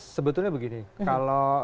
sebetulnya begini kalau